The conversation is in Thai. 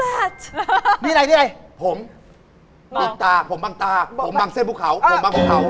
อันนี้อะไรผมผมตาผมบางตาผมบางเส้นภูเขาผมบางภูเขา